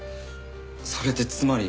それってつまり。